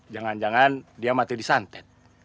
jangan jangan dia mati di santet